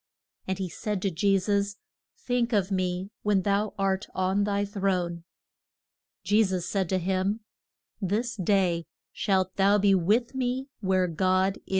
And he said to Je sus, Think of me when thou art on thy throne. Je sus said to him, This day shalt thou be with me where God is.